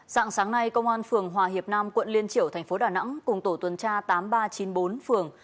sáng sáng nay công an phường hòa hiệp nam quận liên triểu tp đà nẵng cùng tổ tuần tra tám nghìn ba trăm chín mươi bốn phường